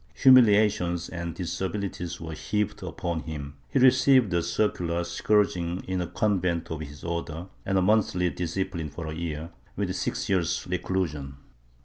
Humiliations and disabilities were heaped upon him; he received a circular scourging in a convent of his order and a monthly discipline for a year, with six years of reclusion.'